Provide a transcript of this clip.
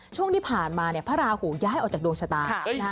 ช่วงที่ผ่านมาเนี่ยพระราหูย้าย